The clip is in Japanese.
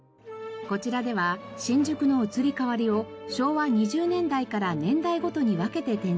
こちらでは新宿の移り変わりを昭和２０年代から年代ごとに分けて展示しています。